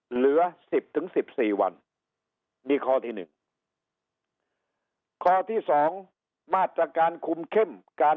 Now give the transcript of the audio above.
เหลือ๑๐ถึง๑๔วันมีข้อที่๑ข้อที่๒มาตรการคุมเข้มการ